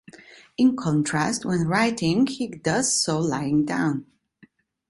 In contrast, when writing, he does so lying down.